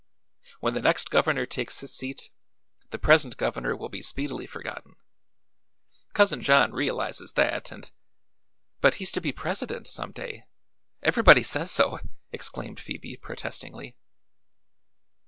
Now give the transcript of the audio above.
When the next governor takes his seat the present governor will be speedily forgotten. Cousin John realizes that, and " "But he's to be president, some day; everybody says so!" exclaimed Phoebe protestingly.